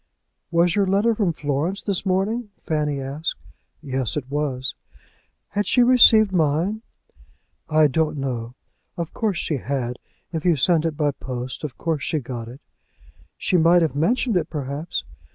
"Was your letter from Florence this morning?" Fanny asked him. "Yes; it was." "Had she received mine?" "I don't know. Of course she had. If you sent it by post of course she got it." "She might have mentioned it, perhaps."